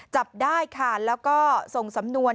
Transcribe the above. จับได้ค่ะแล้วก็ส่งสำนวน